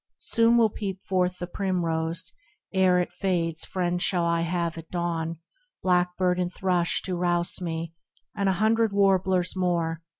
Soon will peep forth the primrose, ere it fades Friends shall I have at dawn, blackbird and thrush To rouse me, and a hundred warblers more